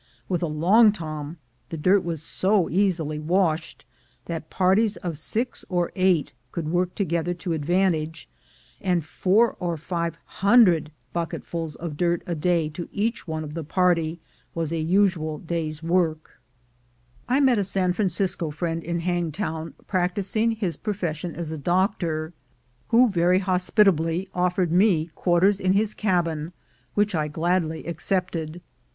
With a "long tom" the dirt was so easily washed that parties of six or eight could work together to advantage, and four or five hundred bucketfuls of dirt a day to each one of the party was a usual day's work. 126 THE GOLD HUNTERS I met a San Francisco friend in Hangtown prac tising his profession as a doctor, who very hospitably offered me quarters in his cabin, which I gladly ac cepted.